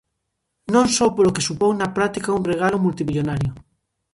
Non só polo que supón na práctica un regalo multimillonario.